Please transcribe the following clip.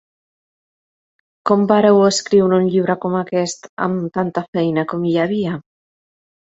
Com vàreu escriure un llibre com aquest amb tanta feina com hi havia?